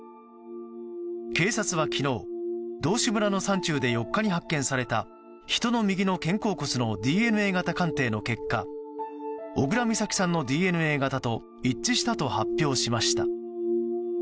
警察は昨日、道志村の山中で４日に発見された人の右の肩甲骨のＤＮＡ型鑑定の結果小倉美咲さんのＤＮＡ型と一致したと発表しました。